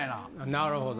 なるほど。